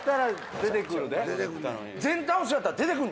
出てくる。